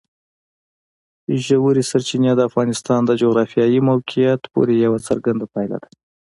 ژورې سرچینې د افغانستان د جغرافیایي موقیعت پوره یوه څرګنده پایله ده.